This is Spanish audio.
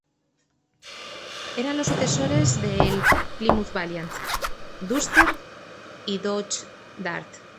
Eran los sucesores del Plymouth Valiant, Duster, y Dodge Dart.